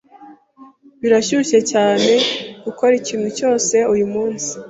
Birashyushye cyane gukora ikintu cyose uyumunsi.